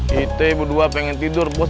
kita berdua pengen tidur bos